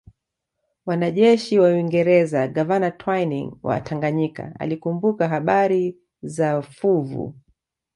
Wanajeshi wa Uingereza gavana Twining wa Tanganyika alikumbuka habari za fuvu